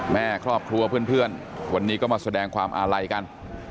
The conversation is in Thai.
แม่ครอบครัวเพื่อนวันนี้ก็มาแสดงความอาลัยกัน